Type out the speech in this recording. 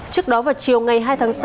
trước đó vào chiều ngày hai tháng sáu